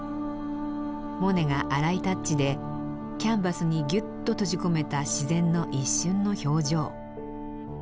モネが粗いタッチでキャンバスにギュッと閉じ込めた自然の一瞬の表情。